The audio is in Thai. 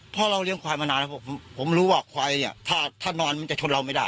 เพราะเราเลี้ยควายมานานแล้วผมรู้ว่าควายเนี่ยถ้านอนมันจะชนเราไม่ได้